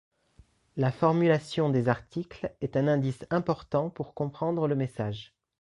La formulation des articles est un indice important pour comprendre le message.